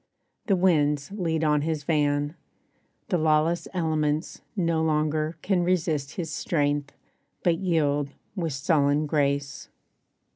The winds lead on his van; The lawless elements no longer can Resist his strength, but yield with sullen grace.